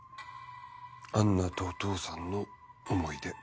アンナとお父さんの思い出。